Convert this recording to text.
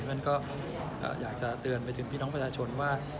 นั่นก็อยากจะเตือนไปถึงพี่น้องประชาชนว่า